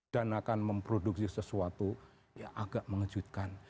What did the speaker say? dan akan memproduksi sesuatu yang agak mengejutkan